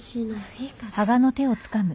いいから。